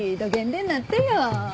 でんなっとよ。